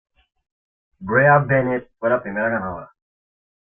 Brea Bennett fue la primera ganadora.